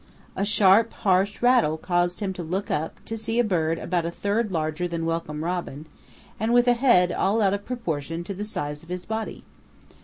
A sharp, harsh rattle caused him to look up to see a bird about a third larger than Welcome Robin, and with a head out of all proportion to the size of his body.